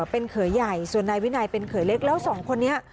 เป็นเขยใหญ่ส่วนนายวินัยเป็นเขยเล็กแล้วสองคนนี้